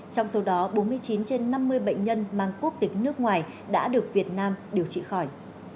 trong số đó bốn mươi chín trên năm mươi bệnh nhân mang quốc tịch nước ngoài đã được việt nam điều trị khỏi